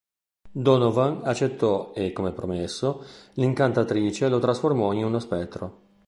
Donovan accettò e, come promesso, l’Incantatrice lo trasformò in uno spettro.